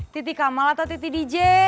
titik amal atau titik dj